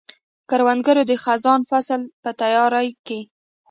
کروندګر د خزان فصل په تیاري کې دی